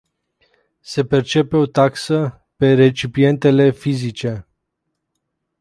Se percepe o taxă pe recipientele fizice.